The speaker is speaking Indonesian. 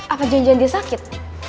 apa janjian dia sakit